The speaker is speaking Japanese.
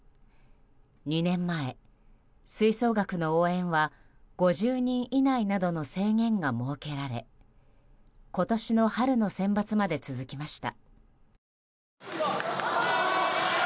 ２年前、吹奏楽の応援は５０人以内などの制限が設けられ今年の春のセンバツまで続きました。